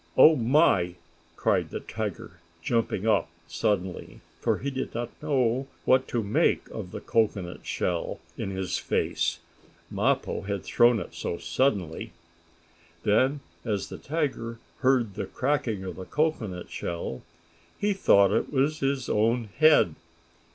"Oh my!" cried the tiger, jumping up suddenly, for he did not know what to make of the cocoanut shell in his face. Mappo had thrown it so suddenly. Then, as the tiger heard the cracking of the cocoanut shell, he thought it was his own head.